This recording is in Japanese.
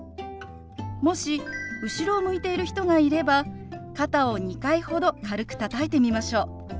もし後ろを向いている人がいれば肩を２回ほど軽くたたいてみましょう。